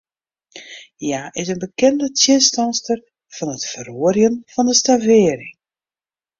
Hja is in bekende tsjinstanster fan it feroarjen fan de stavering.